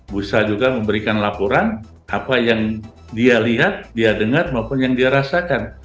bisa juga memberikan laporan apa yang dia lihat dia dengar maupun yang dia rasakan